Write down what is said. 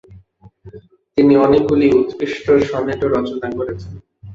তিনি অনেকগুলি উৎকৃষ্ঠ সনেটও রচনা করেছেন।